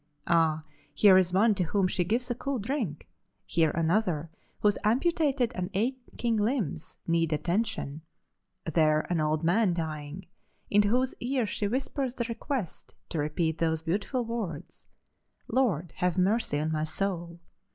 Ah! here is one to whom she gives a cool drink, here another whose amputated and aching limbs need attention, there an old man dying, into whose ears she whispers the request to repeat those beautiful words: 'Lord, have mercy on my soul!